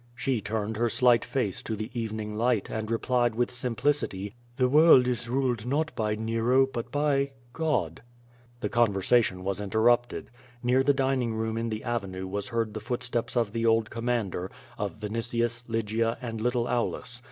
'' She turned her slight face to the evening light, and replied with simplicity: "The world is ruled not by Nero but by — God.'' The conversation was interrupted. Near the dining room in the avenue was heard the footsteps of the old commander, of Vinitius, Lygia and little Aulus.